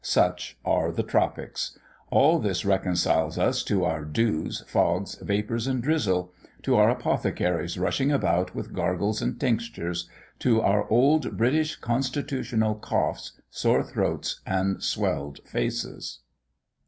Such are the tropics. All this reconciles us to our dews, fogs, vapours, and drizzle; to our apothecaries rushing about with gargles and tinctures; to our old British constitutional coughs, sore throats, and swelled faces."